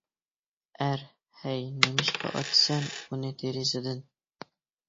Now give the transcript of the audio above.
ئەر: ھەي نېمىشقا ئاتىسەن ئۇنى دېرىزىدىن.